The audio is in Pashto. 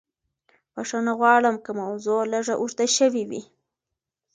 بښنه غواړم که موضوع لږه اوږده شوې وي.